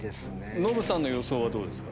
ノブさんの予想はどうですか？